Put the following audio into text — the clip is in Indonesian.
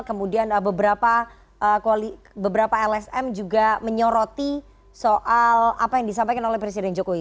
kemudian beberapa lsm juga menyoroti soal apa yang disampaikan oleh presiden jokowi